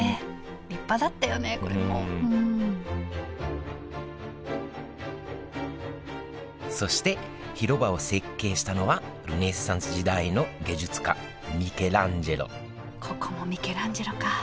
立派だったよねこれもそして広場を設計したのはルネサンス時代の芸術家ミケランジェロここもミケランジェロか。